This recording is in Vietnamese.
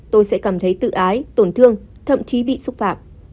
tôi sẽ cảm thấy tự ái tổn thương thậm chí bị xúc phạm